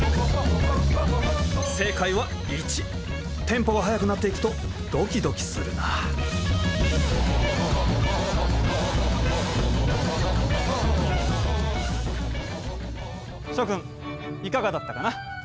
テンポが速くなっていくとドキドキするな諸君いかがだったかな？